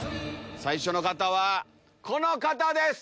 最初の方はこの方です。